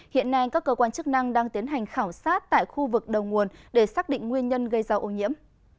hiện nay các cơ quan chức năng đang tiến hành khảo sát tại khu vực đầu nguồn để xác định nguyên nhân gây ra ô nhiễm